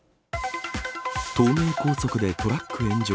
東名高速でトラック炎上。